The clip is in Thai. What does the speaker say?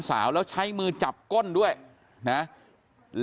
เดี๋ยวให้กลางกินขนม